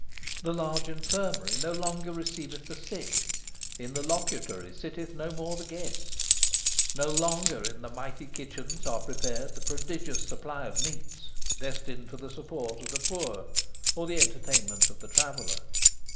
The large infirmary no longer receiveth the sick; in the locutory sitteth no more the guest. No longer in the mighty kitchens are prepared the prodigious supply of meats destined for the support of the poor or the entertainment of the traveller.